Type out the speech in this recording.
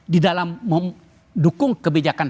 di dalam mendukung kebijakan